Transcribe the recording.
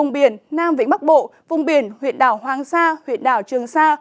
vùng biển nam vĩnh bắc bộ vùng biển huyện đảo hoàng sa huyện đảo trường sa